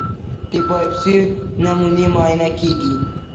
د بایوپسي نمونې معاینه کېږي.